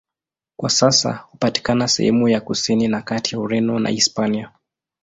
Kwa sasa hupatikana sehemu ya kusini na kati ya Ureno na Hispania.